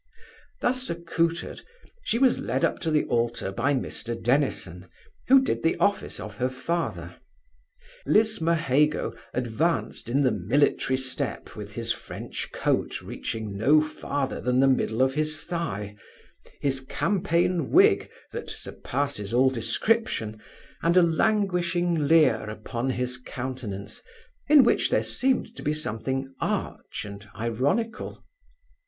Thus accoutred, she was led up to the altar by Mr Dennison, who did the office of her father: Lismahago advanced in the military step with his French coat reaching no farther than the middle of his thigh, his campaign wig that surpasses all description, and a languishing leer upon his countenance, in which there seemed to be something arch and ironical.